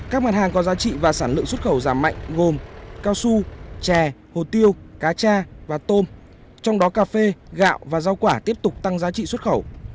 các mặt hàng có giá trị và sản lượng xuất khẩu giảm mạnh gồm cao su chè hồ tiêu cá cha và tôm trong đó cà phê gạo và rau quả tiếp tục tăng giá trị xuất khẩu